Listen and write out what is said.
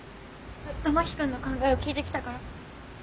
ずっと真木君の考えを聞いてきたから。